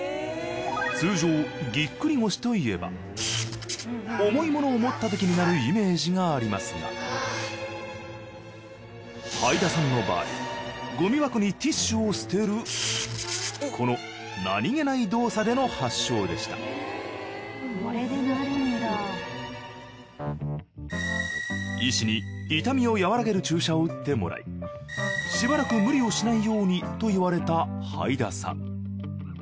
通常ぎっくり腰といえば重いものを持ったときになるイメージがありますがはいださんの場合ゴミ箱にティッシュを捨てるこの何気ない動作での発症でした医師に痛みを和らげる注射を打ってもらいしばらく無理をしないようにと言われたはいださん。